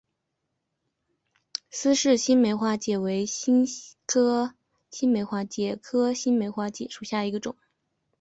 斯氏新梅花介为新梅花介科新梅花介属下的一个种。